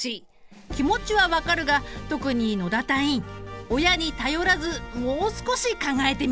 気持ちは分かるが特に野田隊員親に頼らずもう少し考えてみてくれ。